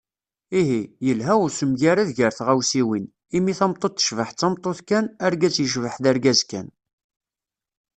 Ihi, yelha usemgarad gar tɣawsiwin, imi tameṭṭut tecbeḥ d tameṭṭut kan, argaz yecbeḥ d argaz kan.